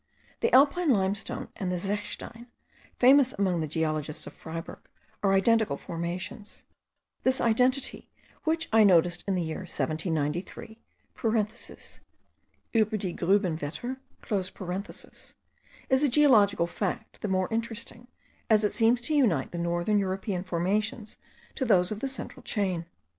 The alpine limestone and the zechstein, famous among the geologists of Freyberg, are identical formations. This identity, which I noticed in the year 1793 (Uber die Grubenwetter), is a geological fact the more interesting, as it seems to unite the northern European formations to those of the central chain.